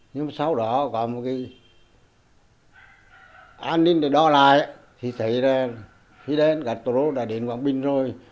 nhưng sau đó có một cái an ninh để đo lại thì thấy là fidel castro đã đến quảng bình rồi